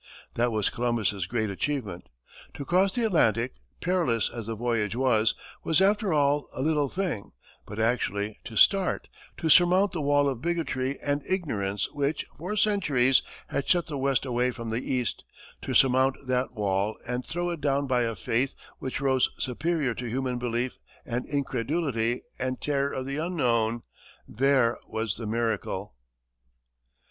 That was Columbus's great achievement. To cross the Atlantic, perilous as the voyage was, was after all a little thing; but actually to start to surmount the wall of bigotry and ignorance which, for centuries, had shut the west away from the east, to surmount that wall and throw it down by a faith which rose superior to human belief and incredulity and terror of the unknown there was the miracle!